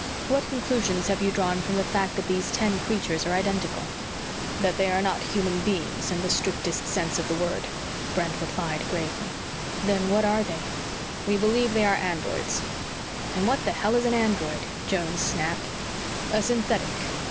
"What conclusions have you drawn from the fact that these ten creatures are identical?" "That they are not human beings, in the strictest sense of the word," Brent replied gravely. "Then what are they?" "We believe they are androids." "And what the hell is an android?" Jones snapped. "A synthetic."